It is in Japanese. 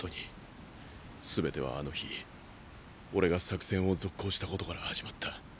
すべてはあの日俺が作戦を続行したことから始まった。